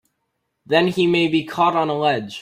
Then he may be caught on a ledge!